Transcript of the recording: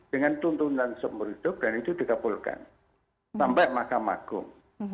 dengan tuntunan seumur hidup dan itu dikabulkan sampai mahkamah agung